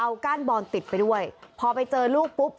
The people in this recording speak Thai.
เอาก้านบอลติดไปด้วยพอไปเจอลูกปุ๊บ